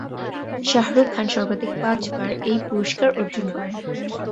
শাহরুখ খান সর্বাধিক পাঁচবার এই পুরস্কার অর্জন করেন।